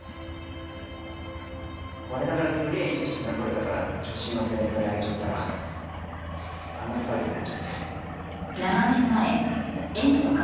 我ながらすげえいい写真が撮れたから調子にのってネットに上げちゃったらあんな騒ぎになっちゃって。